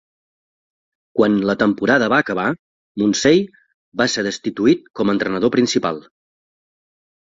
Quan la temporada va acabar, Munsey va ser destituït com a entrenador principal.